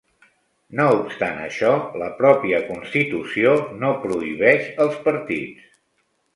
No obstant això, la pròpia constitució no prohibeix els partits.